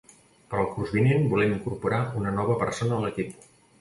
Per al curs vinent volem incorporar una nova persona a l'equip.